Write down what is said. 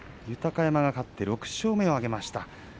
豊山が勝って６勝目を挙げました。